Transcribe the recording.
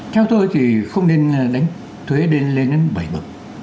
theo tôi thì không nên đánh thuế lên đến bảy bậc